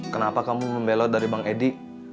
kenapa kamu membelot dari bang edi